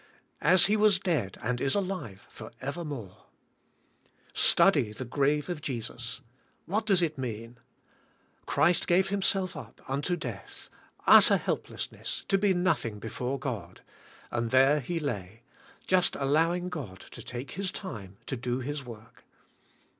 "As He was dead, and is alive, for evermore." Study the grave of Jesus. What does it mean? Christ gave Himself up unto death, utter helplessness, to be nothing before God, and 152 THE SPIRITUAL LIFE. there He lay, just allowing God to take His time to do His work.